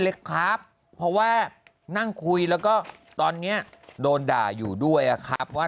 เล็กครับเพราะว่านั่งคุยแล้วก็ตอนนี้โดนด่าอยู่ด้วยอะครับว่า